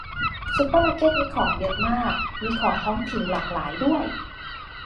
ซูเปอร์มาร์เก็ตนี้ของเยอะมาก มีของท้องถิ่นหลากหลายด้วย